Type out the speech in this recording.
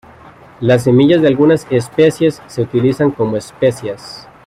Las semillas de algunas especies se utilizan como especias.